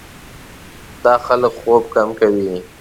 دا خلک خوب کم کوي.